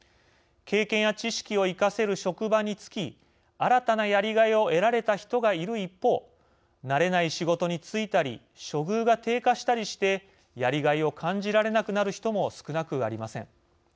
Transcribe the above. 経験や知識を生かせる職場に就き新たなやりがいを得られた人がいる一方慣れない仕事に就いたり処遇が低下したりしてやりがいを感じられなくなる人も少なくありません。